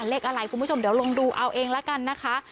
เลขอะไรคุณผู้ชมเดี๋ยวลองดูเอาเองละกันนะคะ